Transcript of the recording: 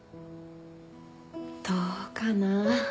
どうかな。